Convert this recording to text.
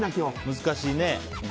難しいね。